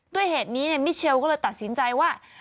ด้วยเหตุนี้มิเชลก็เลยตัดสินใจว่า